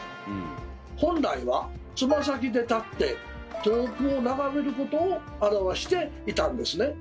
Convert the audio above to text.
本来はつま先で立って遠くを眺めることを表していたんですね。